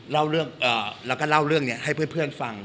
แล้วก็เล่าเรื่องราวให้เพื่อนฟัง